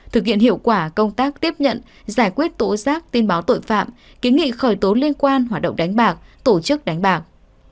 thực hiện hiệu quả công tác tiếp nhận giải quyết tố giác tin báo tội phạm kiến nghị khởi tố liên quan hoạt động đánh bạc tổ chức đánh bạc